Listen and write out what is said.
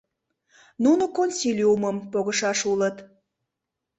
Нуно консилиумым погышаш улыт.